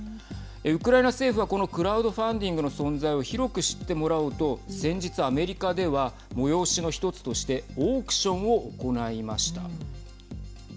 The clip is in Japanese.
ウクライナ政府はこのクラウドファンディングの存在を広く知ってもらおうと先日アメリカでは催しの１つとしてオークションを行いました。